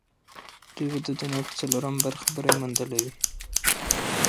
دوی به د دنیا پر څلورمه برخه بری موندلی وي.